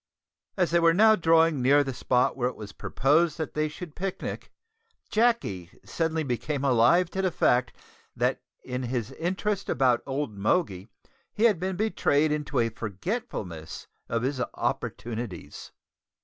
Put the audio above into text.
As they were now drawing near to the spot where it was proposed that they should picnic, Jacky suddenly became alive to the fact that in his interest about old Moggy he had been betrayed into a forgetfulness of his opportunities.